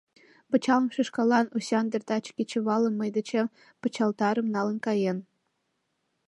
— Пычалым шӱшкашлан Осяндр таче кечывалым мый дечем пычалтарым налын каен!